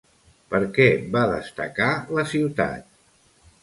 Per què va destacar la ciutat?